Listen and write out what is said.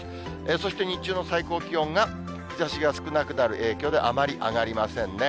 そして日中の最高気温が、日ざしが少なくなる影響で、あまり上がりませんね。